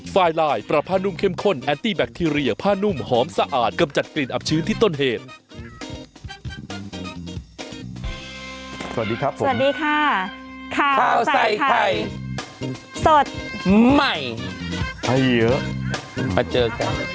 สวัสดีครับผมสวัสดีค่ะข้าวใส่ไข่สดใหม่ให้เยอะมาเจอกัน